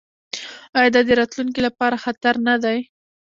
آیا دا د راتلونکي لپاره خطر نه دی؟